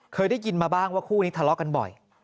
เคยได้ยินมาบ้างว่าคู่นี้ทะเลาะกันบ่อย